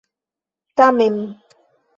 tamen